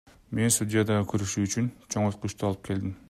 Мен судья дагы көрүшү үчүн чоңойткучту алып келдим.